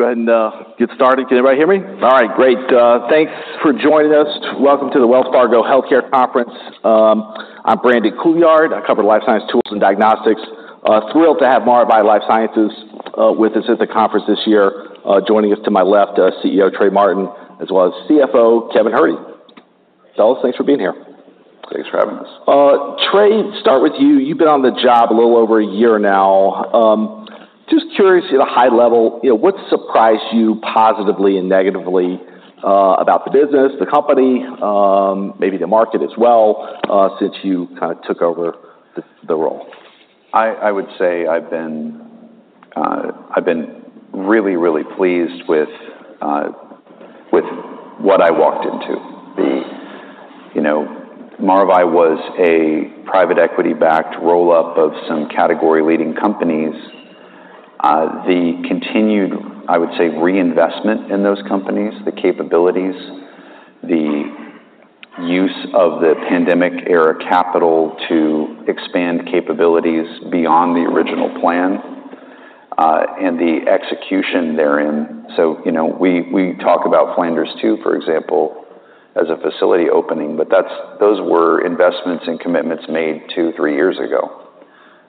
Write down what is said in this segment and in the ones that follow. We'll go ahead and get started. Can everybody hear me? All right, great. Thanks for joining us. Welcome to the Wells Fargo Healthcare Conference. I'm Brandon Couillard. I cover life science tools and diagnostics. Thrilled to have Maravai LifeSciences with us at the conference this year. Joining us to my left, CEO Trey Martin, as well as CFO Kevin Herde. Fellas, thanks for being here. Thanks for having us. Trey, start with you. You've been on the job a little over a year now. Just curious at a high level, you know, what surprised you positively and negatively about the business, the company, maybe the market as well, since you kind of took over the role? I would say I've been really, really pleased with what I walked into. You know, Maravai was a private equity-backed roll-up of some category-leading companies. The continued, I would say, reinvestment in those companies, the capabilities, the use of the pandemic-era capital to expand capabilities beyond the original plan, and the execution therein. So, you know, we talk about Flanders 2, for example, as a facility opening, but that's, those were investments and commitments made two, three years ago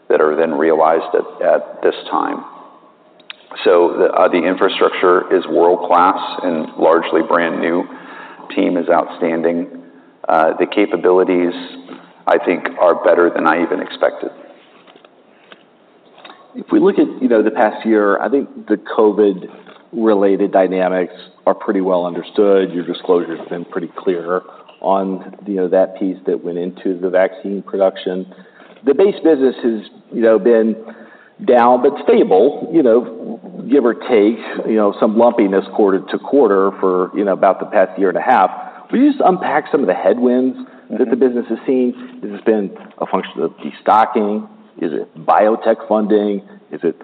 that are then realized at this time. So the infrastructure is world-class and largely brand new. Team is outstanding. The capabilities, I think, are better than I even expected. If we look at, you know, the past year, I think the COVID-related dynamics are pretty well understood. Your disclosure's been pretty clear on, you know, that piece that went into the vaccine production. The base business has, you know, been down but stable, you know, give or take, you know, some lumpiness quarter to quarter for, you know, about the past year and a half. Will you just unpack some of the headwinds? That the business has seen? Has this been a function of destocking? Is it biotech funding? Is it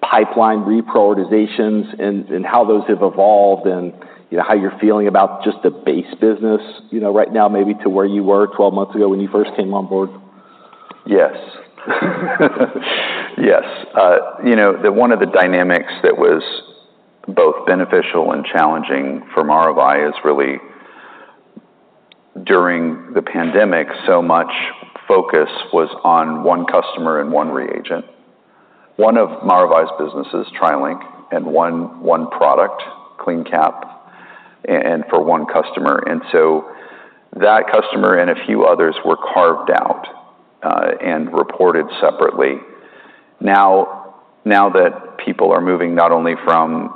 pipeline reprioritizations and how those have evolved and, you know, how you're feeling about just the base business, you know, right now, maybe to where you were twelve months ago when you first came on board? Yes. Yes. You know, the one of the dynamics that was both beneficial and challenging for Maravai is really, during the pandemic, so much focus was on one customer and one reagent, one of Maravai's businesses, TriLink, and one product, CleanCap, and for one customer. And so that customer and a few others were carved out and reported separately. Now that people are moving not only from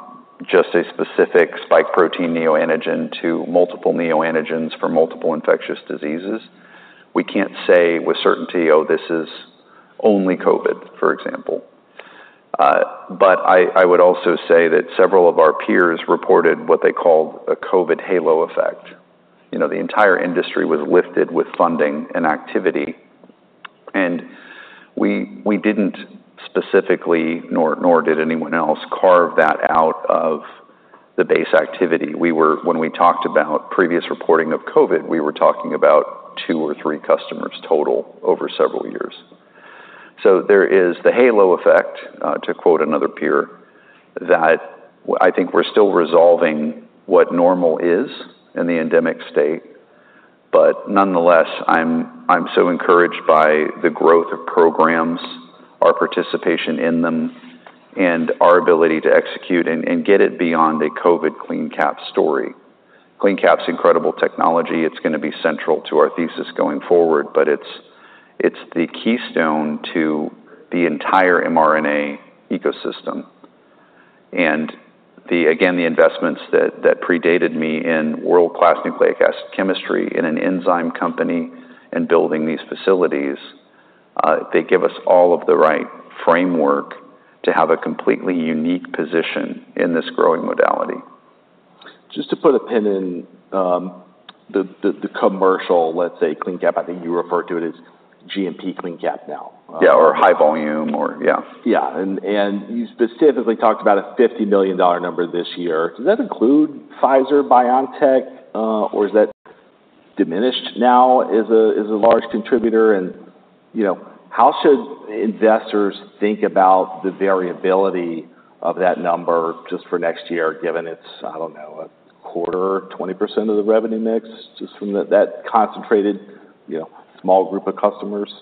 just a specific spike protein neoantigen to multiple neoantigens for multiple infectious diseases, we can't say with certainty, "Oh, this is only COVID," for example. But I would also say that several of our peers reported what they called a COVID halo effect. You know, the entire industry was lifted with funding and activity, and we didn't specifically, nor did anyone else, carve that out of the base activity. When we talked about previous reporting of COVID, we were talking about two or three customers total over several years, so there is the halo effect, to quote another peer, that I think we're still resolving what normal is in the endemic state, but nonetheless, I'm, I'm so encouraged by the growth of programs, our participation in them, and our ability to execute and, and get it beyond a COVID CleanCap story. CleanCap's incredible technology. It's gonna be central to our thesis going forward, but it's, it's the keystone to the entire mRNA ecosystem, and the, again, the investments that, that predated me in world-class nucleic acid chemistry, in an enzyme company, and building these facilities, they give us all of the right framework to have a completely unique position in this growing modality. Just to put a pin in, the commercial, let's say, CleanCap, I think you refer to it as GMP CleanCap now. Yeah, or high volume or... Yeah. Yeah. And you specifically talked about a $50 million number this year. Does that include Pfizer-BioNTech, or is that diminished now as a large contributor? And, you know, how should investors think about the variability of that number just for next year, given it's, I don't know, a quarter, 20% of the revenue mix, just from that concentrated, you know, small group of customers?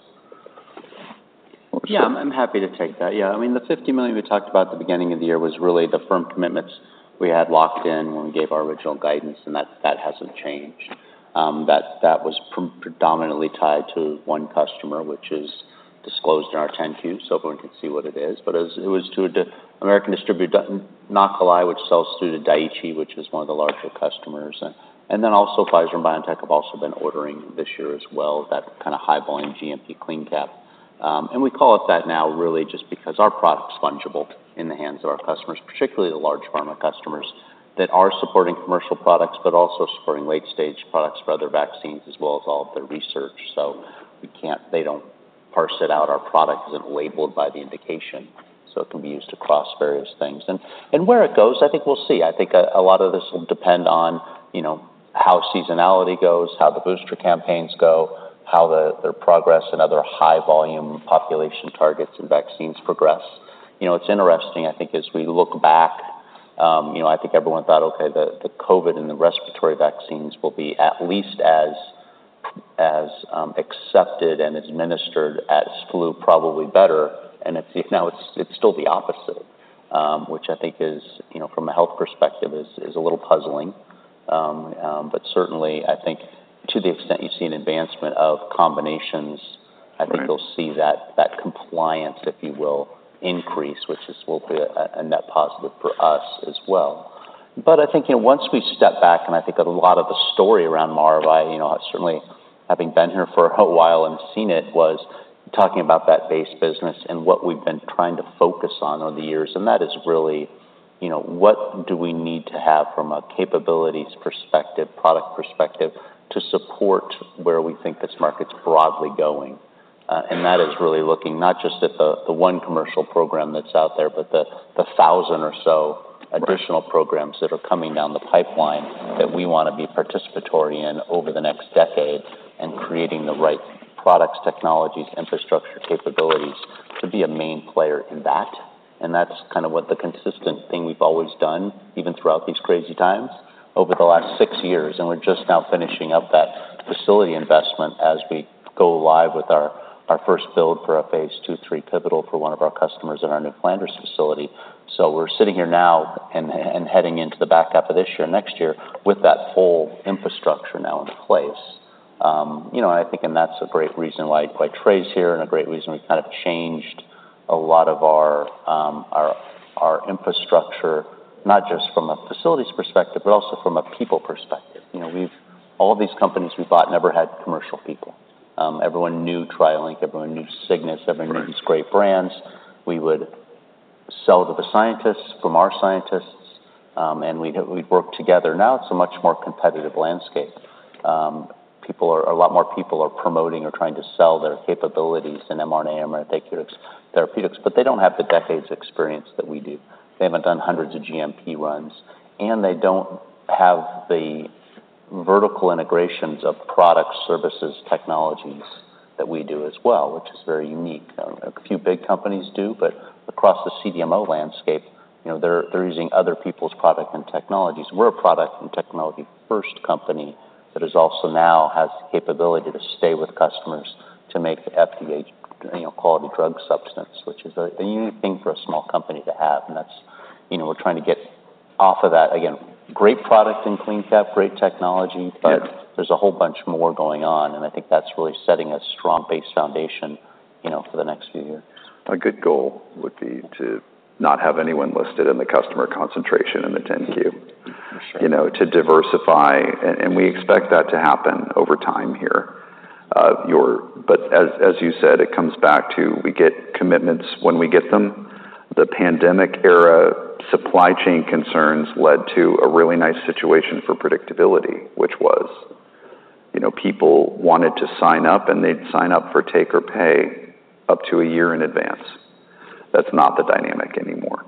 Yeah, I'm happy to take that. Yeah, I mean, the $50 million we talked about at the beginning of the year was really the firm commitments we had locked in when we gave our original guidance, and that hasn't changed. That was predominantly tied to one customer, which is disclosed in our 10-Q, so everyone can see what it is. But as it was to an American distributor, Nacalai, which sells through to Daiichi, which is one of the larger customers. And then also Pfizer and BioNTech have also been ordering this year as well, that kind of high-volume GMP CleanCap. And we call it that now, really, just because our product's fungible in the hands of our customers, particularly the large pharma customers, that are supporting commercial products, but also supporting late-stage products for other vaccines, as well as all of their research. So we can't. They don't parse it out. Our product isn't labeled by the indication, so it can be used across various things. And where it goes, I think we'll see. I think a lot of this will depend on, you know, how seasonality goes, how the booster campaigns go, how their progress and other high volume population targets and vaccines progress. You know, it's interesting. I think as we look back, you know, I think everyone thought, okay, the COVID and the respiratory vaccines will be at least as accepted and administered as flu, probably better, and it's now it's still the opposite. Which I think is, you know, from a health perspective, is a little puzzling. But certainly, I think to the extent you see an advancement of combinations. I think you'll see that compliance, if you will, increase, which will be a net positive for us as well. But I think, you know, once we step back, and I think a lot of the story around Maravai, you know, certainly having been here for a while and seen it, was talking about that base business and what we've been trying to focus on over the years, and that is really, you know, what do we need to have from a capabilities perspective, product perspective, to support where we think this market's broadly going? And that is really looking not just at the one commercial program that's out there, but the thousand or so-... additional programs that are coming down the pipeline that we want to be participatory in over the next decade, and creating the right products, technologies, infrastructure, capabilities to be a main player in that. And that's kind of what the consistent thing we've always done, even throughout these crazy times, over the last six years, and we're just now finishing up that facility investment as we go live with our first build for a phase two, three pivotal for one of our customers in our new Flanders facility. So we're sitting here now and heading into the back half of this year, next year, with that whole infrastructure now in place. You know, I think and that's a great reason why Trey's here, and a great reason we've kind of changed a lot of our infrastructure, not just from a facilities perspective, but also from a people perspective. You know, we've all these companies we bought never had commercial people. Everyone knew TriLink, everyone knew Cygnus, everyone knew these great brands. We would sell to the scientists, from our scientists, and we'd work together. Now it's a much more competitive landscape. People are a lot more people are promoting or trying to sell their capabilities in mRNA and mRNA therapeutics, but they don't have the decades of experience that we do. They haven't done hundreds of GMP runs, and they don't have the vertical integrations of products, services, technologies that we do as well, which is very unique. A few big companies do, but across the CDMO landscape, you know, they're using other people's product and technologies. We're a product and technology first company that is also now has the capability to stay with customers to make the FDA, you know, quality drug substance, which is a unique thing for a small company to have. And that's, you know, we're trying to get off of that. Again, great product in CleanCap, great technology but there's a whole bunch more going on, and I think that's really setting a strong base foundation, you know, for the next few years. A good goal would be to not have anyone listed in the customer concentration in the 10-Q. You know, to diversify, and we expect that to happen over time here. Your, but as you said, it comes back to, we get commitments when we get them. The pandemic era supply chain concerns led to a really nice situation for predictability, which was, you know, people wanted to sign up, and they'd sign up for take or pay up to a year in advance. That's not the dynamic anymore.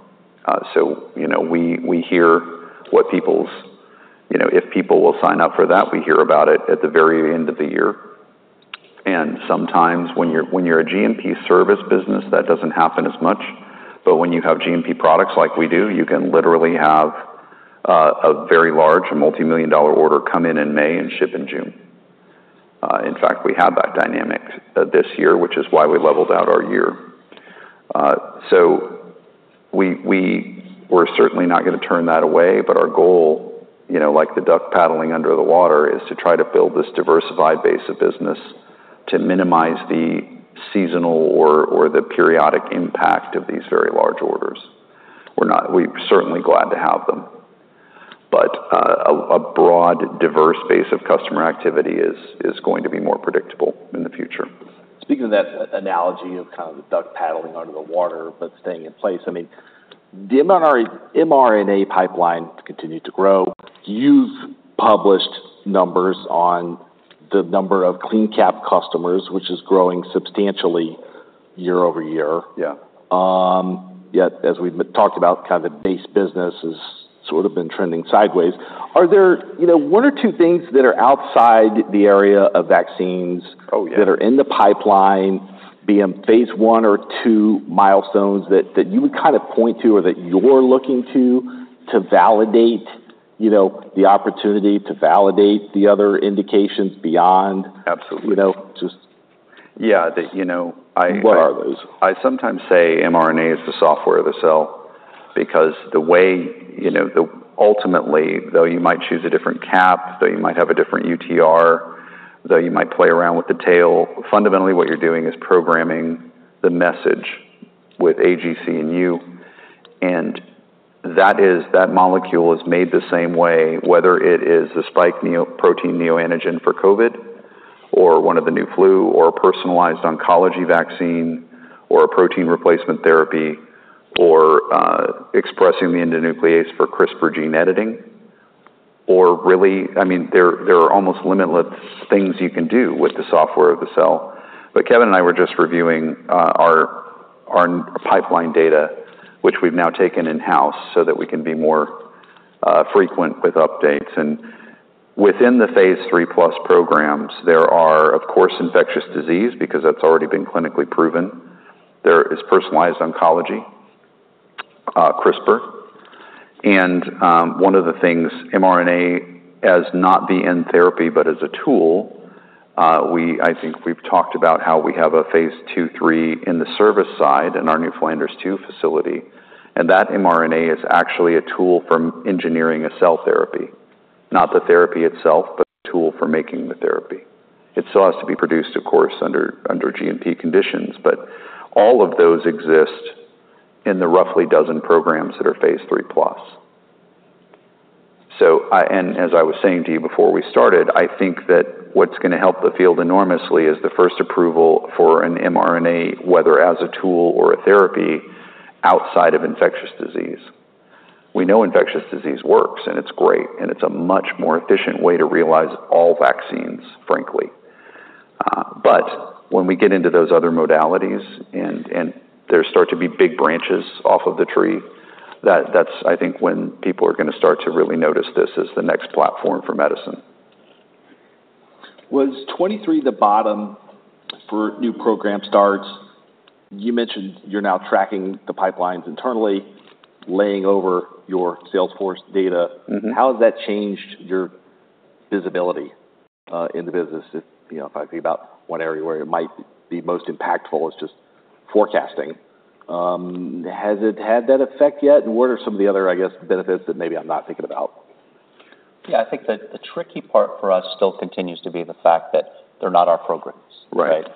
So, you know, we hear what people's, you know, if people will sign up for that, we hear about it at the very end of the year. And sometimes when you're a GMP service business, that doesn't happen as much, but when you have GMP products like we do, you can literally have a very large multimillion-dollar order come in in May and ship in June. In fact, we have that dynamic this year, which is why we leveled out our year. So we're certainly not gonna turn that away, but our goal, you know, like the duck paddling under the water, is to try to build this diversified base of business to minimize the seasonal or the periodic impact of these very large orders. We're certainly glad to have them, but a broad, diverse base of customer activity is going to be more predictable in the future. Speaking of that analogy of kind of the duck paddling under the water, but staying in place, I mean, the mRNA, mRNA pipeline continued to grow. You've published numbers on the number of CleanCap customers, which is growing substantially year-over-year. Yet, as we've talked about, kind of the base business has sort of been trending sideways. Are there, you know, one or two things that are outside the area of vaccines that are in the pipeline, be in phase one or two milestones that you would kind of point to or that you're looking to validate, you know, the opportunity, to validate the other indications beyond? Absolutely. Yeah, that, you know. I sometimes say mRNA is the software of the cell, because the way, you know. Ultimately, though you might choose a different cap, though you might have a different UTR, though you might play around with the tail, fundamentally, what you're doing is programming the message with AGC and U. And that is, that molecule is made the same way, whether it is the spike protein neoantigen for COVID, or one of the new flu, or a personalized oncology vaccine, or a protein replacement therapy, or expressing the endonuclease for CRISPR gene editing, or really, I mean, there are almost limitless things you can do with the software of the cell. But Kevin and I were just reviewing our pipeline data, which we've now taken in-house so that we can be more frequent with updates. And within the phase 3-plus programs, there are, of course, infectious disease, because that's already been clinically proven. There is personalized oncology, CRISPR, and one of the things mRNA is not the end therapy, but as a tool, we I think we've talked about how we have a phase 2, 3 in the service side in our new Flanders 2 facility, and that mRNA is actually a tool for engineering a cell therapy. Not the therapy itself, but the tool for making the therapy. It still has to be produced, of course, under GMP conditions, but all of those exist in the roughly dozen programs that are phase 3 plus. So and as I was saying to you before we started, I think that what's going to help the field enormously is the first approval for an mRNA, whether as a tool or a therapy, outside of infectious disease. We know infectious disease works, and it's great, and it's a much more efficient way to realize all vaccines, frankly. But when we get into those other modalities and there start to be big branches off of the tree, that's, I think, when people are going to start to really notice this as the next platform for medicine. Was 2023 the bottom for new program starts? You mentioned you're now tracking the pipelines internally, layering over your Salesforce data. How has that changed your visibility in the business? If, you know, if I think about one area where it might be most impactful is just forecasting. Has it had that effect yet? And what are some of the other, I guess, benefits that maybe I'm not thinking about? Yeah, I think that the tricky part for us still continues to be the fact that they're not our programs.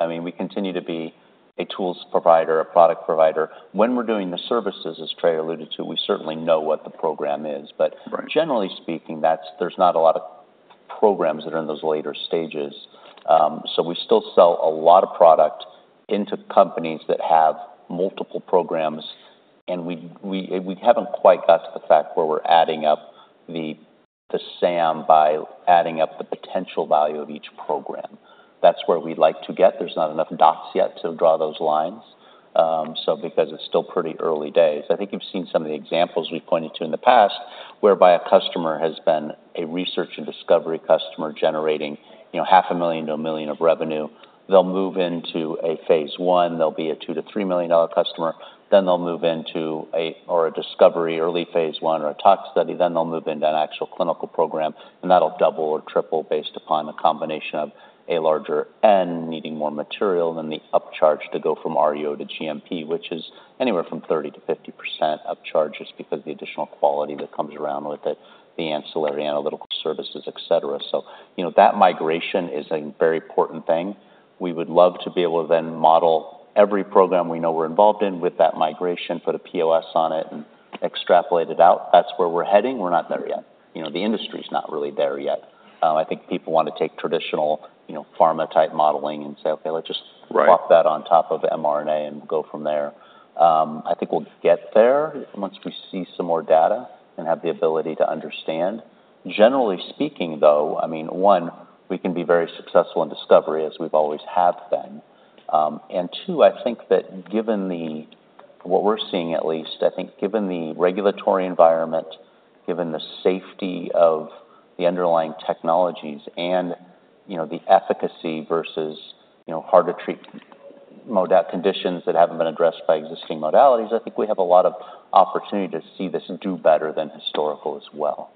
I mean, we continue to be a tools provider, a product provider. When we're doing the services, as Trey alluded to, we certainly know what the program is. But generally speaking, that's, there's not a lot of programs that are in those later stages. So we still sell a lot of product into companies that have multiple programs, and we haven't quite got to the fact where we're adding up the SAM by adding up the potential value of each program. That's where we'd like to get. There's not enough dots yet to draw those lines, so because it's still pretty early days. I think you've seen some of the examples we've pointed to in the past, whereby a customer has been a research and discovery customer generating, you know, $500,000-$1 million of revenue. They'll move into a phase one, they'll be a $2 million-$3 million customer, then they'll move into a or a discovery, early phase one or a tox study, then they'll move into an actual clinical program, and that'll double or triple based upon the combination of a larger N needing more material than the upcharge to go from RU to GMP, which is anywhere from 30%-50% upcharge, just because the additional quality that comes around with it, the ancillary analytical services, et cetera. So, you know, that migration is a very important thing. We would love to be able to then model every program we know we're involved in with that migration, put a POS on it and extrapolate it out. That's where we're heading. We're not there yet. You know, the industry's not really there yet. I think people want to take traditional, you know, pharma type modeling and say: Okay, let's just plop that on top of mRNA and go from there. I think we'll get there once we see some more data and have the ability to understand. Generally speaking, though, I mean, one, we can be very successful in discovery, as we've always have been. And two, I think that given what we're seeing, at least, I think given the regulatory environment, given the safety of the underlying technologies and, you know, the efficacy versus, you know, hard to treat conditions that haven't been addressed by existing modalities, I think we have a lot of opportunity to see this do better than historical as well,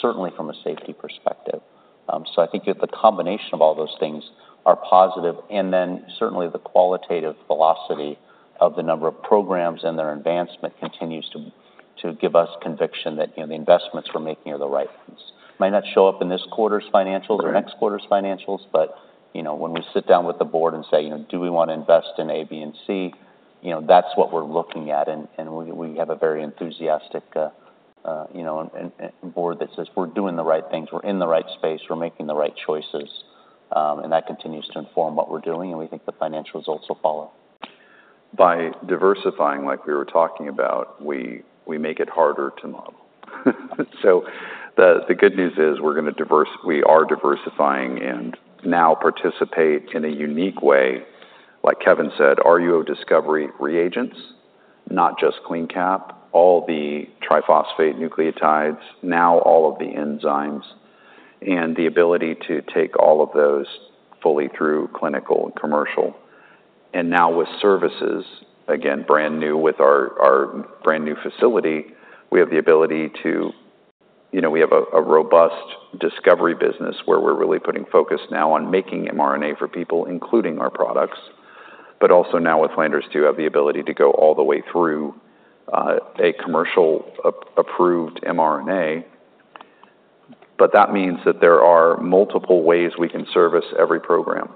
certainly from a safety perspective. So, I think the combination of all those things are positive, and then certainly the qualitative velocity of the number of programs and their advancement continues to give us conviction that, you know, the investments we're making are the right ones. Might not show up in this quarter's financials or next quarter's financials, but, you know, when we sit down with the board and say: You know, do we want to invest in A, B, and C? You know, that's what we're looking at, and we have a very enthusiastic, you know, board that says we're doing the right things, we're in the right space, we're making the right choices, and that continues to inform what we're doing, and we think the financial results will follow. By diversifying, like we were talking about, we make it harder to model. So the good news is we are diversifying and now participate in a unique way. Like Kevin said, RUO discovery reagents, not just CleanCap, all the triphosphate nucleotides, now all of the enzymes, and the ability to take all of those fully through clinical and commercial. And now with services, again, brand new with our brand new facility, we have the ability to. You know, we have a robust discovery business where we're really putting focus now on making mRNA for people, including our products, but also now with Flanders 2, have the ability to go all the way through a commercial approved mRNA. But that means that there are multiple ways we can service every program.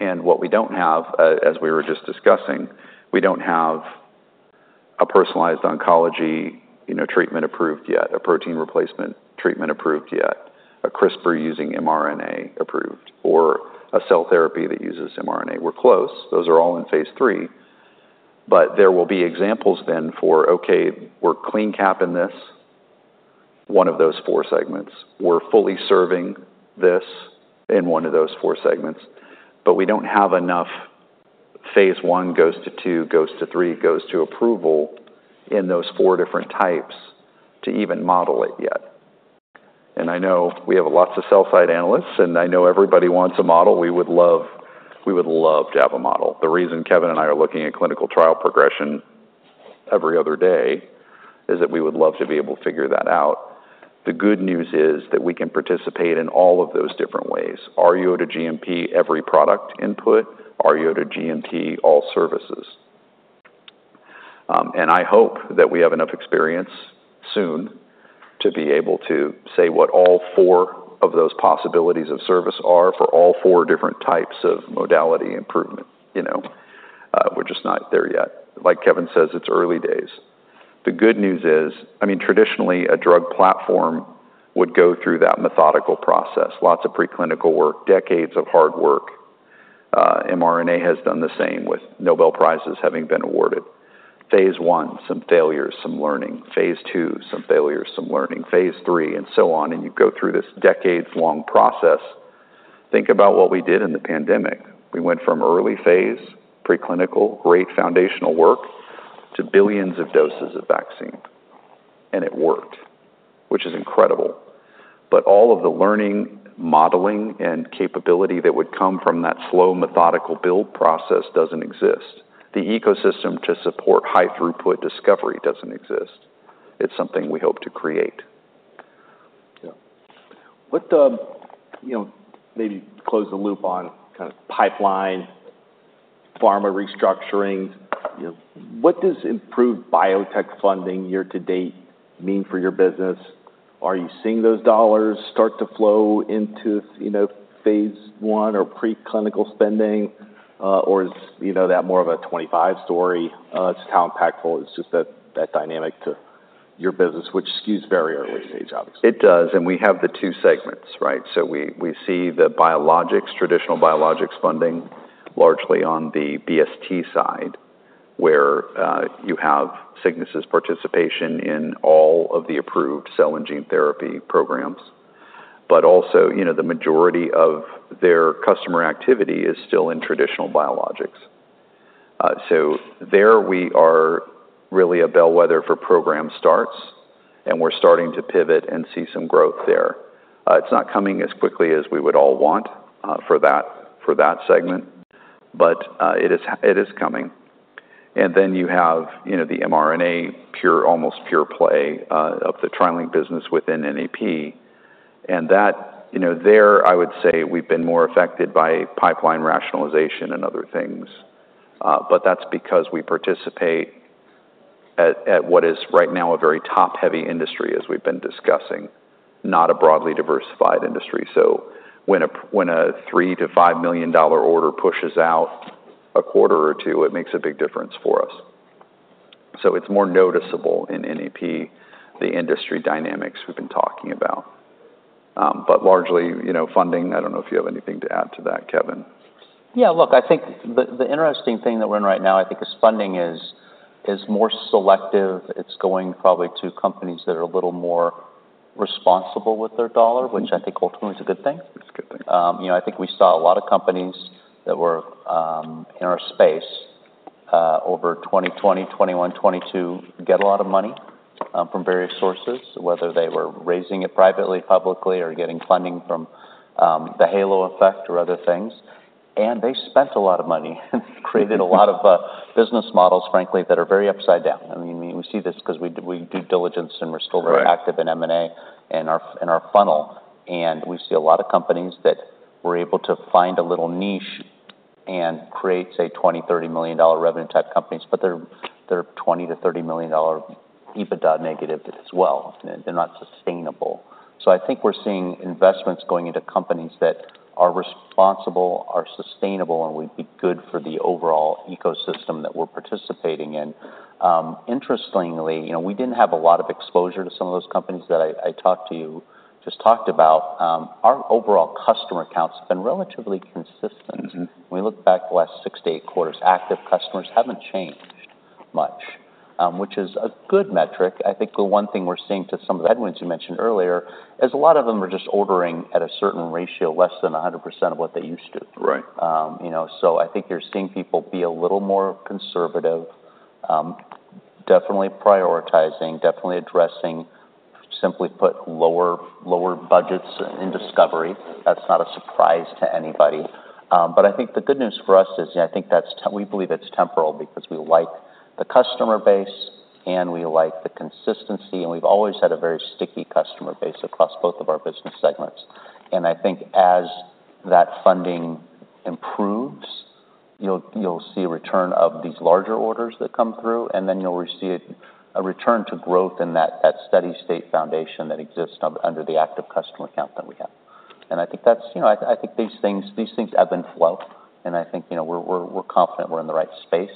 And what we don't have, as we were just discussing, we don't have a personalized oncology, you know, treatment approved yet, a protein replacement treatment approved yet, a CRISPR using mRNA approved, or a cell therapy that uses mRNA. We're close. Those are all in phase three, but there will be examples then for, okay, we're CleanCap in this one of those four segments. We're fully serving this in one of those four segments, but we don't have enough phase one goes to two, goes to three, goes to approval in those four different types to even model it yet. And I know we have lots of sell-side analysts, and I know everybody wants a model. We would love, we would love to have a model. The reason Kevin and I are looking at clinical trial progression every other day is that we would love to be able to figure that out. The good news is that we can participate in all of those different ways. RUO to GMP, every product input, RUO to GMP, all services. And I hope that we have enough experience soon to be able to say what all four of those possibilities of service are for all four different types of modality improvement. You know, we're just not there yet. Like Kevin says, it's early days. The good news is, I mean, traditionally, a drug platform would go through that methodical process. Lots of preclinical work, decades of hard work. mRNA has done the same with Nobel Prizes having been awarded. Phase one, some failures, some learning. Phase two, some failures, some learning. phase 3, and so on, and you go through this decades-long process. Think about what we did in the pandemic. We went from early phase, preclinical, great foundational work, to billions of doses of vaccine, and it worked, which is incredible. But all of the learning, modeling, and capability that would come from that slow, methodical build process doesn't exist. The ecosystem to support high throughput discovery doesn't exist. It's something we hope to create. Yeah. What, you know, maybe close the loop on kind of pipeline pharma restructuring. You know, what does improved biotech funding year to date mean for your business? Are you seeing those dollars start to flow into, you know, phase one or preclinical spending, or is, you know, that more of a twenty-five story? Just how impactful is just that, that dynamic to your business, which skews very early stage, obviously. It does, and we have the two segments, right? So we see the biologics, traditional biologics funding largely on the BST side, where you have Cygnus's participation in all of the approved cell and gene therapy programs. But also, you know, the majority of their customer activity is still in traditional biologics. So there we are really a bellwether for program starts, and we're starting to pivot and see some growth there. It's not coming as quickly as we would all want for that segment, but it is coming. And then you have, you know, the mRNA pure-almost pure play of the TriLink business within NAP. And that you know, there, I would say we've been more affected by pipeline rationalization and other things, but that's because we participate at what is right now a very top-heavy industry, as we've been discussing, not a broadly diversified industry. So when a $3-$5 million order pushes out a quarter or two, it makes a big difference for us. So it's more noticeable in NAP, the industry dynamics we've been talking about. But largely, you know, funding, I don't know if you have anything to add to that, Kevin. Yeah, look, I think the interesting thing that we're in right now, I think, is funding is more selective. It's going probably to companies that are a little more responsible with their dollar, which I think ultimately is a good thing. You know, I think we saw a lot of companies that were in our space over 2020, 2021, 2022, get a lot of money from various sources, whether they were raising it privately, publicly, or getting funding from the Halo Effect or other things, and they spent a lot of money. Created a lot of business models, frankly, that are very upside down. I mean, we see this 'cause we do diligence, and we're still very active in M&A in our funnel, and we see a lot of companies that were able to find a little niche and create, say, $20-$30 million revenue type companies, but they're $20-$30 million EBITDA negative as well, and they're not sustainable. So I think we're seeing investments going into companies that are responsible, are sustainable, and would be good for the overall ecosystem that we're participating in. Interestingly, you know, we didn't have a lot of exposure to some of those companies that I just talked about. Our overall customer counts have been relatively consistent. When we look back the last six to eight quarters, active customers haven't changed much, which is a good metric. I think the one thing we're seeing to some of the headwinds you mentioned earlier, is a lot of them are just ordering at a certain ratio, less than 100% of what they used to. You know, so I think you're seeing people be a little more conservative. Definitely prioritizing, definitely addressing, simply put, lower budgets in discovery. That's not a surprise to anybody. But I think the good news for us is, you know, I think that's, we believe it's temporal because we like the customer base and we like the consistency, and we've always had a very sticky customer base across both of our business segments. And I think as that funding improves, you'll see a return of these larger orders that come through, and then you'll receive a return to growth in that steady state foundation that exists under the active customer account that we have. And I think that's... You know, I think these things ebb and flow, and I think, you know, we're confident we're in the right space,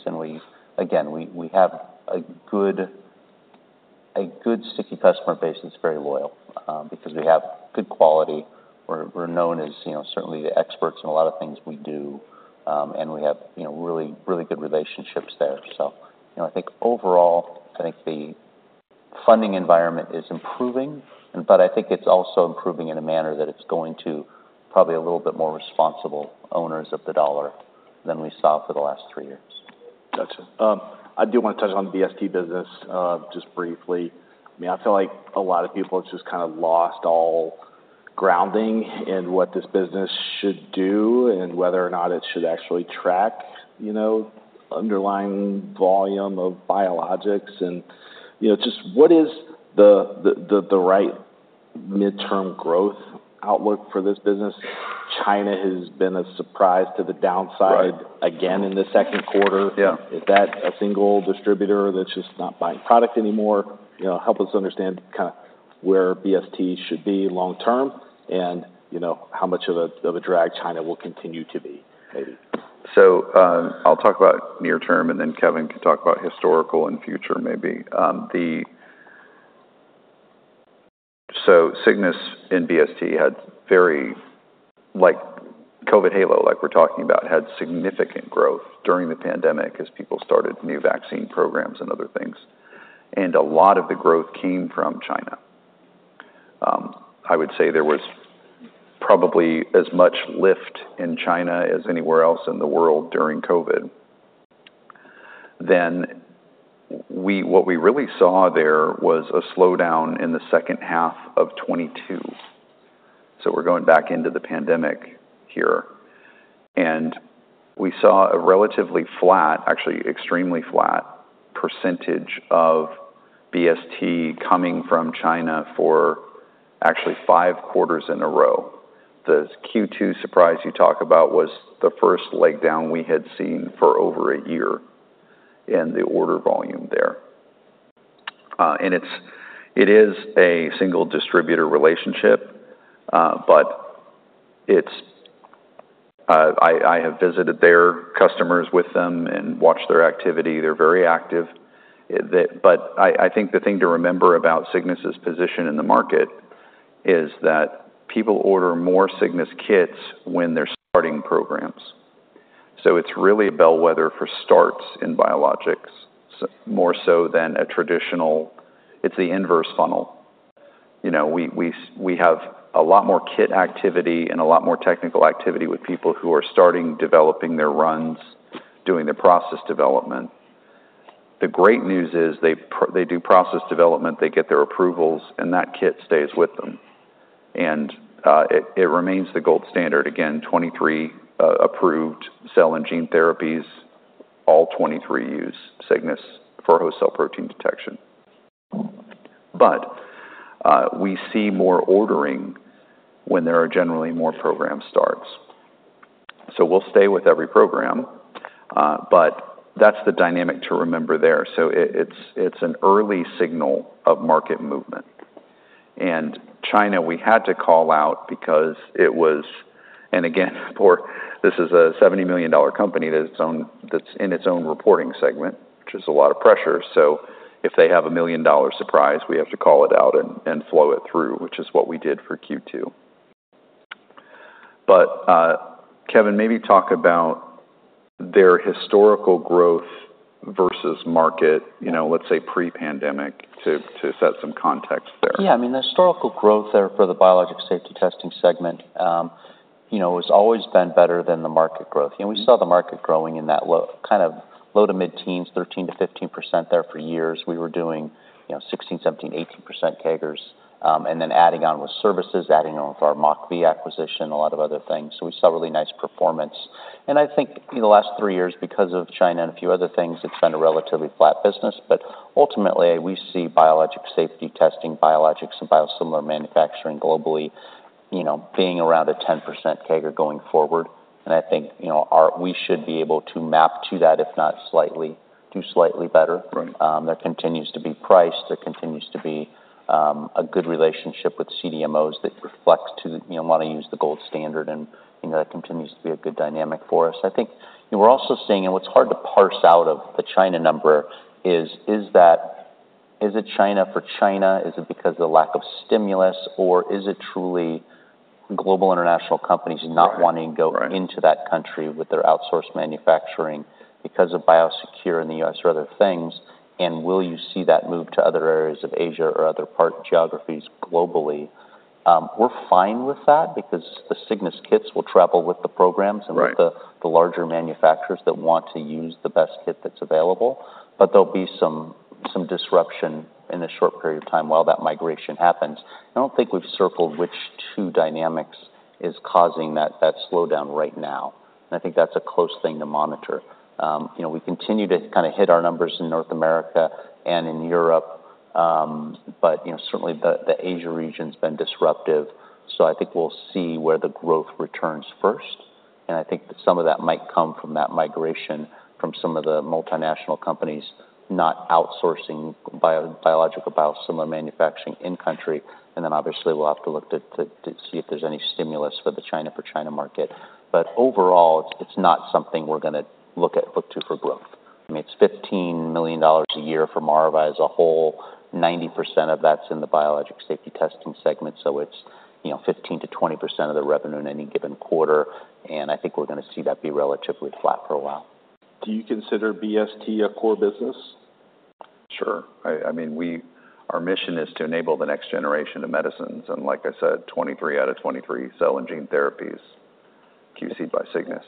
and again, we have a good sticky customer base that's very loyal, because we have good quality. We're known as, you know, certainly the experts in a lot of things we do, and we have, you know, really, really good relationships there. So, you know, I think overall, I think the funding environment is improving, but I think it's also improving in a manner that it's going to probably a little bit more responsible owners of the dollar than we saw for the last three years. Gotcha. I do wanna touch on the BST business just briefly. I mean, I feel like a lot of people have just kind of lost all grounding in what this business should do and whether or not it should actually track, you know, underlying volume of biologics. And, you know, just what is the right midterm growth outlook for this business? China has been a surprise to the downside again, in the second quarter. Is that a single distributor that's just not buying product anymore? You know, help us understand kind of where BST should be long term, and, you know, how much of a, of a drag China will continue to be maybe? So, I'll talk about near term, and then Kevin can talk about historical and future maybe. So Cygnus and BST had very, like, COVID halo, like we're talking about, had significant growth during the pandemic as people started new vaccine programs and other things, and a lot of the growth came from China. I would say there was probably as much lift in China as anywhere else in the world during COVID. Then what we really saw there was a slowdown in the second half of 2022, so we're going back into the pandemic here. And we saw a relatively flat, actually extremely flat, percentage of BST coming from China for actually five quarters in a row. The Q2 surprise you talk about was the first leg down we had seen for over a year in the order volume there. And it is a single distributor relationship, but it's. I have visited their customers with them and watched their activity. They're very active. But I think the thing to remember about Cygnus' position in the market is that people order more Cygnus kits when they're starting programs. So it's really a bellwether for starts in biologics, more so than a traditional. It's the inverse funnel. You know, we have a lot more kit activity and a lot more technical activity with people who are starting developing their runs, doing the process development. The great news is they do process development, they get their approvals, and that kit stays with them. And it remains the gold standard. Again, 23 approved cell and gene therapies, all 23 use Cygnus for host cell protein detection. But we see more ordering when there are generally more program starts. So we'll stay with every program, but that's the dynamic to remember there. So it's an early signal of market movement. And China, we had to call out because it was and again, for this is a $70 million company that's on its own, that's in its own reporting segment, which is a lot of pressure. So if they have a $1 million surprise, we have to call it out and flow it through, which is what we did for Q2. But Kevin, maybe talk about their historical growth versus market, you know, let's say pre-pandemic, to set some context there. Yeah, I mean, the historical growth there for the biologics safety testing segment, you know, has always been better than the market growth. You know, we saw the market growing in that low, kind of low to mid-teens, 13-15% there for years. We were doing, you know, 16%, 17%, 18% CAGRs, and then adding on with services, adding on with our MockV acquisition, a lot of other things. So we saw really nice performance. And I think, you know, the last three years, because of China and a few other things, it has been a relatively flat business. But ultimately, we see biologics safety testing, biologics and biosimilar manufacturing globally, you know, being around a 10% CAGR going forward. And I think, you know, we should be able to map to that, if not slightly, do slightly better. There continues to be pricing, there continues to be a good relationship with CDMOs that reflect to, you know, want to use the gold standard, and, you know, that continues to be a good dynamic for us. I think, you know, we're also seeing, and what's hard to parse out of the China number is that, is it China for China? Is it because of the lack of stimulus, or is it truly global international companies not wanting to go into that country with their outsourced manufacturing because of BioSecure in the U.S. or other things? And will you see that move to other areas of Asia or other part- geographies globally? We're fine with that because the Cygnus kits will travel with the programs- and with the larger manufacturers that want to use the best kit that's available, but there'll be some disruption in the short period of time while that migration happens. I don't think we've circled which two dynamics is causing that slowdown right now, and I think that's a close thing to monitor. You know, we continue to kind of hit our numbers in North America and in Europe, but you know, certainly the Asia region's been disruptive, so I think we'll see where the growth returns first. And I think that some of that might come from that migration from some of the multinational companies not outsourcing biosimilar manufacturing in country, and then obviously we'll have to look to see if there's any stimulus for China market. But overall, it's not something we're gonna look to for growth. It's $15 million a year for Maravai as a whole. 90% of that's in the biologics safety testing segment, so it's, you know, 15%-20% of the revenue in any given quarter, and I think we're gonna see that be relatively flat for a while. Do you consider BST a core business? Sure. I mean, we, our mission is to enable the next generation of medicines, and like I said, 23 out of 23 cell and gene therapies, QC by Cygnus.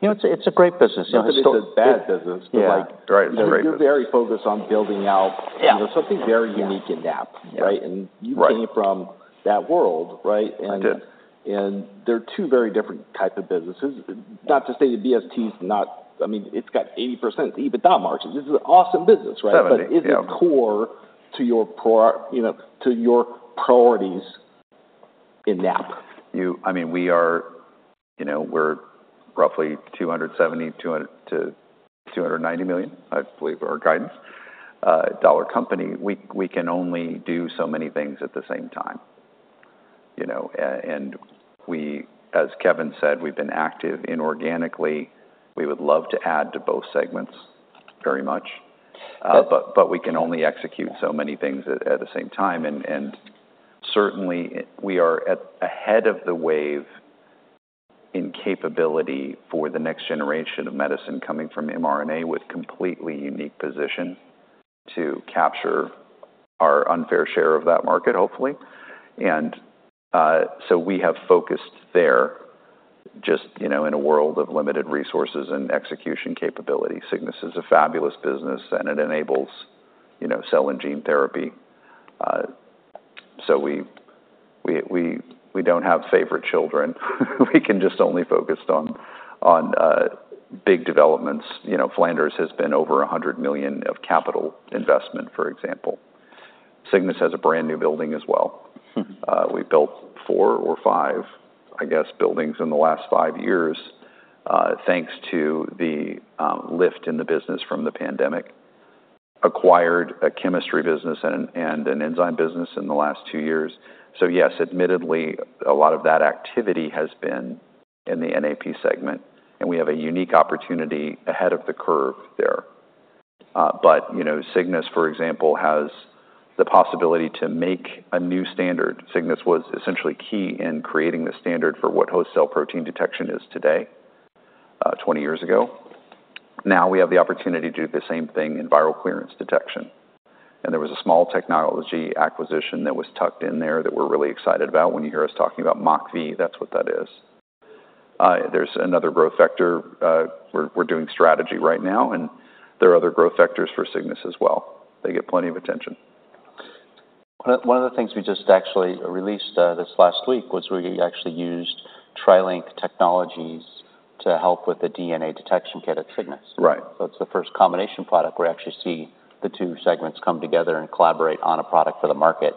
You know, it's a great business, you know, it's still- Not that it's a bad business, but you're very focused on building out something very unique in NAP, right? You came from that world, right? They're two very different type of businesses. Not to say the BST is not, I mean, it's got 80% EBITDA margins. This is an awesome business, right? Seventy, yeah. But is it core to your priorities in NAP? I mean, we are, you know, we're roughly $270 million-$290 million, I believe, our guidance dollar company. We can only do so many things at the same time, you know, and we, as Kevin said, we've been active inorganically. We would love to add to both segments very much, but we can only execute so many things at the same time, and certainly, we are ahead of the wave in capability for the next generation of medicine coming from mRNA, with completely unique position to capture our unfair share of that market, hopefully. So we have focused there just, you know, in a world of limited resources and execution capability. Cygnus is a fabulous business, and it enables, you know, cell and gene therapy. So we don't have favorite children. We can just only focus on big developments. You know, Flanders has been over $100 million of capital investment, for example. Cygnus has a brand-new building as well. We've built four or five, I guess, buildings in the last five years, thanks to the lift in the business from the pandemic. Acquired a chemistry business and an enzyme business in the last two years. So yes, admittedly, a lot of that activity has been in the NAP segment, and we have a unique opportunity ahead of the curve there. But, you know, Cygnus, for example, has the possibility to make a new standard. Cygnus was essentially key in creating the standard for what host cell protein detection is today, twenty years ago. Now, we have the opportunity to do the same thing in viral clearance detection, and there was a small technology acquisition that was tucked in there that we're really excited about. When you hear us talking about MockV, that's what that is. There's another growth vector. We're doing strategy right now, and there are other growth vectors for Cygnus as well. They get plenty of attention. One of the things we just actually released this last week was we actually used TriLink BioTechnologies to help with the DNA detection kit at Cygnus. So it's the first combination product where we actually see the two segments come together and collaborate on a product for the market,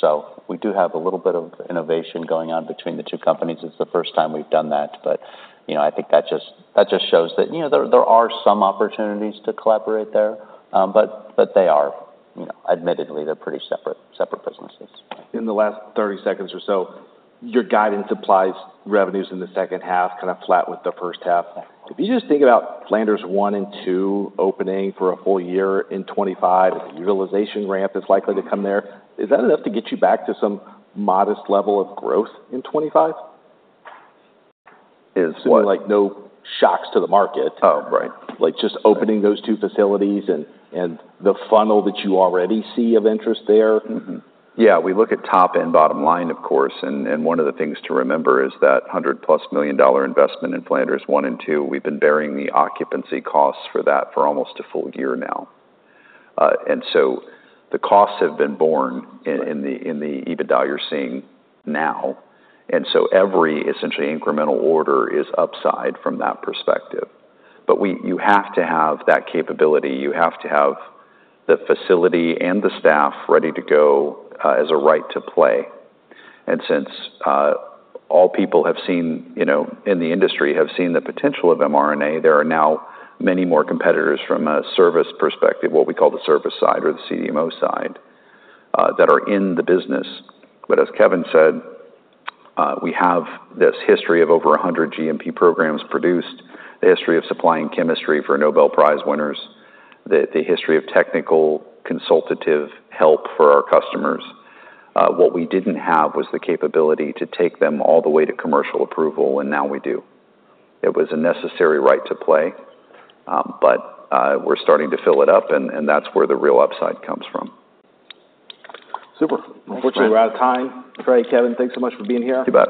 so we do have a little bit of innovation going on between the two companies. It's the first time we've done that, but you know, I think that just shows that you know, there are some opportunities to collaborate there, but they are you know, admittedly, they're pretty separate businesses. In the last thirty seconds or so, your guidance implies revenues in the second half, kind of flat with the first half. If you just think about Flanders 1 and 2 opening for a full year in twenty-five, utilization ramp is likely to come there, is that enough to get you back to some modest level of growth in 2025? Like, no shocks to the market. Like, just opening those two facilities and, and the funnel that you already see of interest there. Yeah, we look at top and bottom line, of course, and one of the things to remember is that $100-plus million investment in Flanders 1 and 2. We've been bearing the occupancy costs for that for almost a full year now. And so the costs have been borne.... in the EBITDA you're seeing now, and so every essentially incremental order is upside from that perspective. But we, you have to have that capability, you have to have the facility and the staff ready to go, as a right to play. And since all people have seen, you know, in the industry, have seen the potential of mRNA, there are now many more competitors from a service perspective, what we call the service side or the CDMO side, that are in the business. But as Kevin said, we have this history of over a hundred GMP programs produced, the history of supplying chemistry for Nobel Prize winners, the history of technical consultative help for our customers. What we didn't have was the capability to take them all the way to commercial approval, and now we do. It was a necessary right to play, but we're starting to fill it up, and that's where the real upside comes from. Super. Unfortunately, we're out of time. Great, Kevin, thanks so much for being here. You bet.